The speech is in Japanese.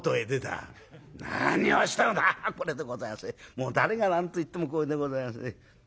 もう誰が何と言ってもこれでございます。